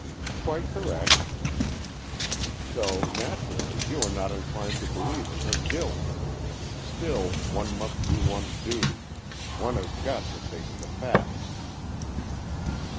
" Quite correct." " So naturally, you are not inclined to believe in her guilt. Still, one must do one's duty. One has got to face the facts."